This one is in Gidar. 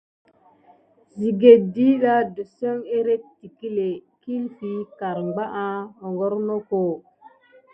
Sikane ɗiɗa tiso érente tikilé, kilfi karbanga, metda hogornoko.